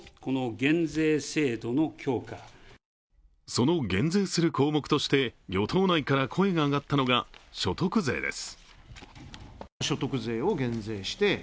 その減税する項目として与党内から声が上がったのが所得税です。